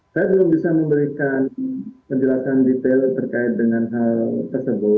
saya belum bisa memberikan penjelasan detail terkait dengan hal tersebut